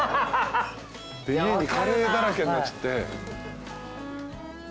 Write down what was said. で家にカレーだらけになっちゃって。